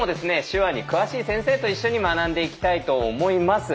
手話に詳しい先生と一緒に学んでいきたいと思います。